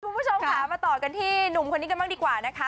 คุณผู้ชมค่ะมาต่อกันที่หนุ่มคนนี้กันบ้างดีกว่านะคะ